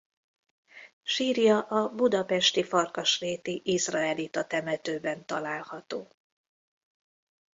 Sírja a budapesti Farkasréti izraelita temetőben található.